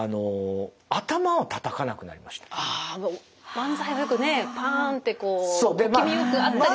漫才はよくねパンってこう小気味よくあったりします。